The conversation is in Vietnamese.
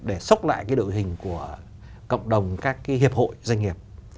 để sốc lại cái đội hình của cộng đồng các cái hiệp hội doanh nghiệp